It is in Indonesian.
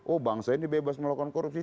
oh bangsa ini bebas melakukan korupsi